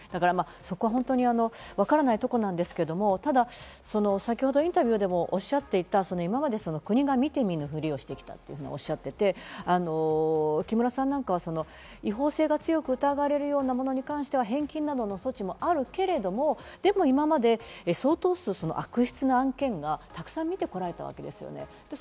そこは本当にわからないところなんですけど、ただ先ほどインタビューでもおっしゃっていた、国が見て見ぬふりをしてとおっしゃっていて、木村さんなんかは違法性が強く疑われるようなものに関しては返金などの措置もあるけれども、でも今まで相当数、悪質な案件がたくさん見てこられたわけですよね。